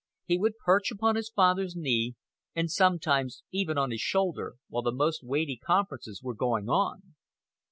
"He would perch upon his father's knee, and sometimes even on his shoulder, while the most weighty conferences were going on.